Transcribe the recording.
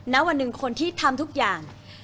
ณวันหนึ่งคนที่ทำทุกอย่าง